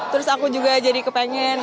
terus aku juga jadi kepengen